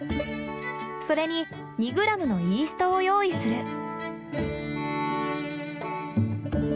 それに２グラムのイーストを用意する。